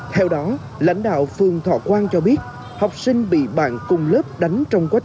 theo đó lãnh đạo phường thọ quang cho biết học sinh bị bạn cùng lớp đánh trong quá trình